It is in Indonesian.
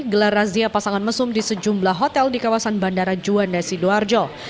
gelar razia pasangan mesum di sejumlah hotel di kawasan bandara juanda sidoarjo